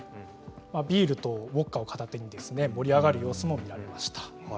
ビールとウォッカを片手に盛り上がる様子もありました。